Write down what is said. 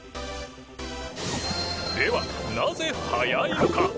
ではなぜ速いのか？